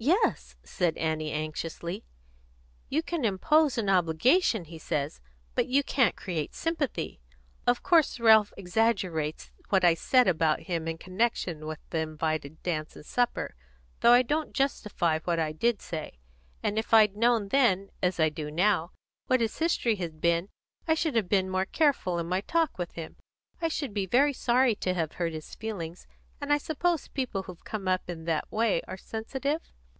"Yes," said Annie anxiously. "You can impose an obligation, he says, but you can't create sympathy. Of course Ralph exaggerates what I said about him in connection with the invited dance and supper, though I don't justify what I did say; and if I'd known then, as I do now, what his history had been, I should have been more careful in my talk with him. I should be very sorry to have hurt his feelings, and I suppose people who've come up in that way are sensitive?"